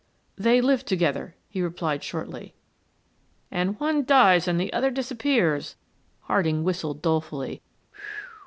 "They lived together," he replied shortly. "And one dies and the other disappears," Harding whistled dolefully.